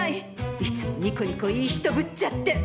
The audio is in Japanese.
いつもニコニコいい人ぶっちゃって！